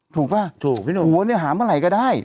ถูกป่ะผัวเนี่ยหาเมื่อไหร่ก็ได้